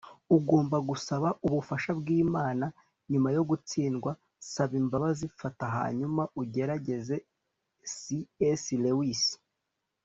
ugomba gusaba ubufasha bw'imana nyuma yo gutsindwa, saba imbabazi, fata, hanyuma ugerageze - c s lewis